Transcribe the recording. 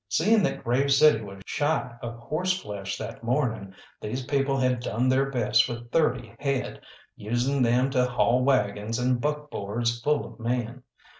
Seeing that Grave City was shy of horseflesh that morning, these people had done their best with thirty head, using them to haul waggons and buckboards full of men.